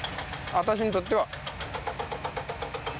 私にとっては。